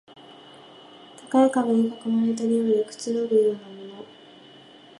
高い壁に囲まれた庭でくつろぐようなもの